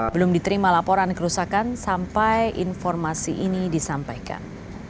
belum diterima laporan kerusakan sampai informasi ini disampaikan